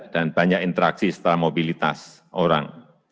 dan banyak interaksi setelah mobilitas orang